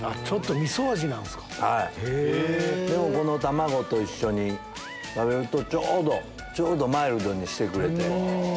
でもこの卵と一緒に食べるとちょうどマイルドにしてくれて。